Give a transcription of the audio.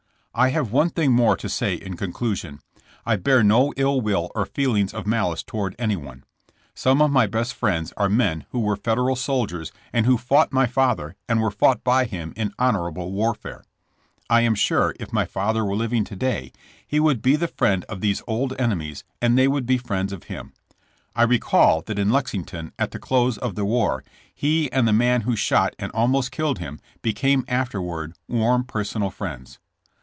I have one thing more to say in conclusion. I bear no ill will or feelings of malice toward anyone. Some of my best friends are men who were Federal soldiers and who fought my father and were fought by him in honorable warfare. I am sure if my father were living to day he would be the friend of these old enemies and they would be friends of him. I recall that in Lexington, at the close of the war, he and the man who shot and almost killed him became after ward warm personal friends.